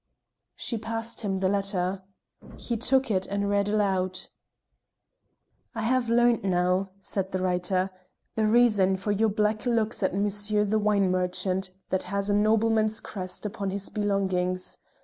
She passed him the letter. He took it and read aloud: "I have learned now," said the writer, "the reason for your black looks at Monsher the wine merchant that has a Nobleman's Crest upon his belongings.